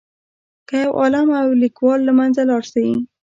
که یو عالم او لیکوال له منځه لاړ شي.